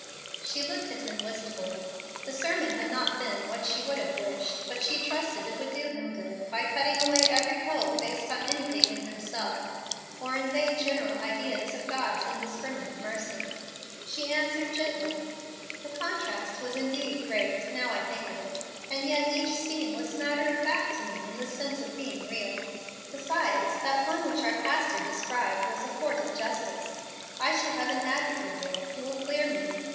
She looked at him wistfully. The sermon had not been what she would have wished, but she trusted it would do him good by cutting away every hope based on anything in himself or in vague general ideas of God's indiscriminate mercy. She answered gently, "The contrast was indeed great, now I think of it, and yet each scene was matter of fact to me in the sense of being real. Besides, that one which our pastor described was a court of justice. I shall have an Advocate there who will clear me.